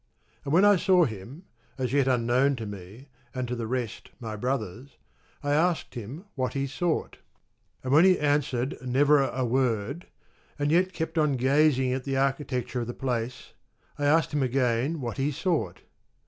And when I saw him (as yet unknown to me, and to the rest, my brothers) I asked him what he sought ; and when he 148 answered never a word, and yet kept on gazing at the architecture of the place, I asked him again what he sought.